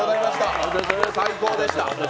最高でした。